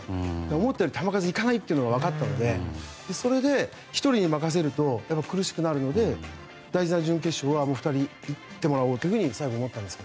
思ったより球数がいかないのが分かったのでそれで１人に任せると苦しくなるので、大事な準決勝は２人にいってもらおうと最後に思ったんですよ。